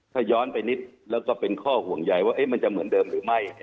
ถ้าย้อนไปนิดแล้วก็เป็นข้อห่วงใยว่ามันจะเหมือนเดิมหรือไม่